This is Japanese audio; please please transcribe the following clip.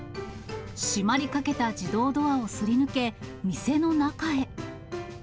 閉まりかけた自動ドアをすり抜け、店の中へ。